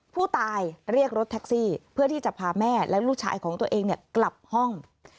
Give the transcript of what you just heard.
ผู้ตายเรียกรถแท็กซี่เพื่อที่จะพาแม่และลูกชายของตัวเองกลับห้อง